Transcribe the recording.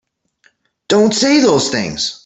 Don't say those things!